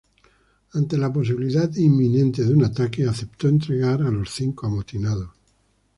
Ante la posibilidad inminente de un ataque, aceptó entregar a los cinco amotinados.